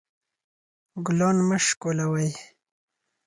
ګلان مه شکولوئ